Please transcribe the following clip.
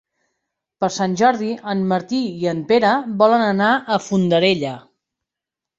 Per Sant Jordi en Martí i en Pere volen anar a Fondarella.